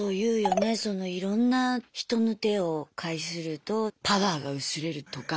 いろんな人の手を介するとパワーが薄れるとか。